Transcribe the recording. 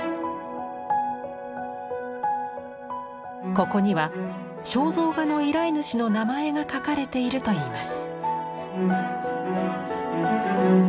ここには肖像画の依頼主の名前が書かれているといいます。